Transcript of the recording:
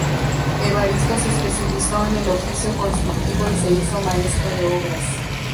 Evaristo se especializó en el oficio constructivo y se hizo Maestro de Obras.